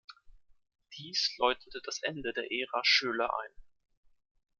Dies läutete das Ende der Ära Schöler ein.